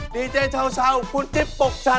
ดีเจเช่าคุณจิ๊บปกชา